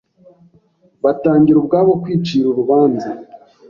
Batangira ubwabo kwicira urubanza